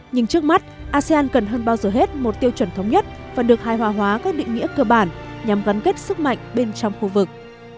nhưng trước mắt asean cần hơn bao giờ hết một tiêu chuẩn thống nhất và được hài hòa hóa các định nghĩa cơ bản nhằm gắn kết sức mạnh bên trong khu vực